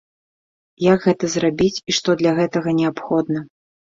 Як гэта зрабіць і што для гэтага неабходна?